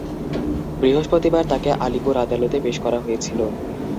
বৃহস্পতিবার তাঁকে আলিপুর আদালতে পেশ করা হয়েছিল।